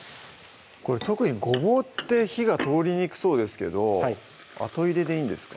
これ特にごぼうって火が通りにくそうですけど後入れでいいんですか？